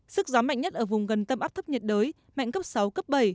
sức gió mạnh nhất ở vùng gần tâm áp thấp nhiệt đới mạnh cấp sáu cấp bảy